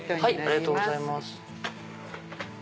ありがとうございます。